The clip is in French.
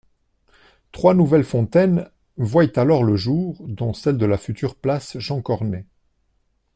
Trois nouvelles fontaines voient alors le jour dont celle de la future place Jean-Cornet.